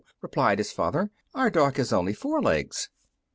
replied his father, "our dog has only four legs."